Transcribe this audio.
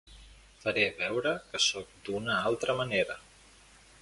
Faré veure que sóc d'una altra manera.